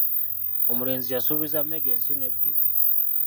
Omulenzi yasuubiza mega ensi n'eggulu.